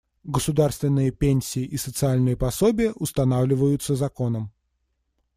Государственные пенсии и социальные пособия устанавливаются законом.